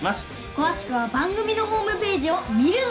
詳しくは番組のホームページを見るぞよ。